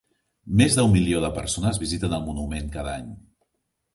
Més de un milió de persones visiten el monument cada any.